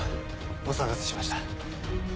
お騒がせしました。